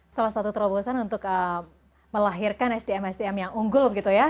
salah satu terobosan untuk melahirkan sdm sdm yang unggul gitu ya